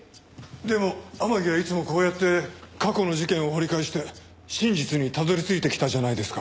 でも天樹はいつもこうやって過去の事件を掘り返して真実にたどり着いてきたじゃないですか。